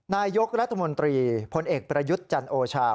นายกรัฐมนตรีพลเอกประยุทธ์จันโอชา